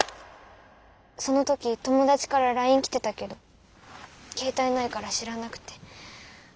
その時友達からライン来てたけど携帯ないから知らなくて。